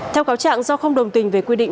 theo cáo trạng do không đồng tình về quy định